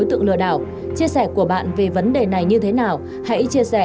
thế nhưng thực tế